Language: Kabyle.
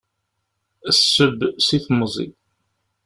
Sseb si temẓi.